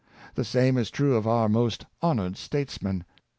The same is true of our most honored states men.